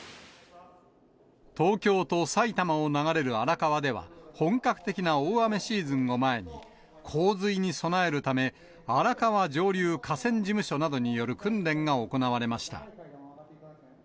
東京と埼玉を流れる荒川では、本格的な大雨シーズンを前に、洪水に備えるため、荒川上流河川事務所などによる訓練が行われました。